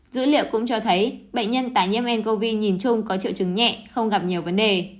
dữ liệu cũng cho thấy bệnh nhân tái nhiễm ncov nhìn chung có triệu chứng nhẹ không gặp nhiều vấn đề